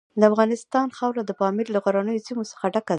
د افغانستان خاوره د پامیر له غرنیو سیمو څخه ډکه ده.